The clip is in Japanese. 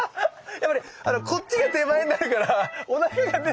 やっぱねこっちが手前になるからおなかがね